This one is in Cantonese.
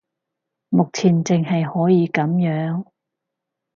目前淨係可以噉樣